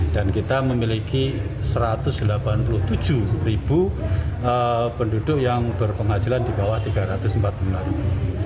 dan kita memiliki satu ratus delapan puluh tujuh ribu penduduk yang berpenghasilan di bawah rp tiga ratus empat puluh lima ribu